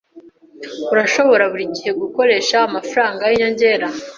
Urashobora buri gihe gukoresha amafaranga yinyongera.